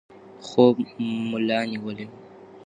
خوب ملا نیولی و.